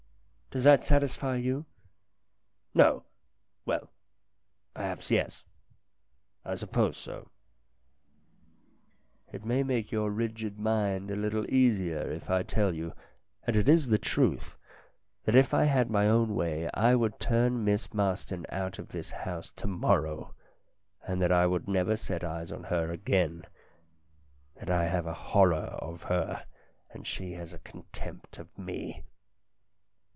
Does that satisfy you ?"" No ; well, perhaps yes. I suppose so." " It may make your rigid mind a little easier if I tell you and it is the truth that if I had my own way I would turn Miss Marston out of this house to morrow, and that I would never set eyes on her again ; that I have a horror of her, and she has a contempt of me."